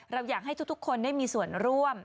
เราอยากให้ทุกคนได้มีส่วนร่วม